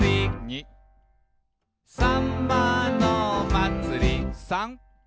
「さんまのまつり」「さん」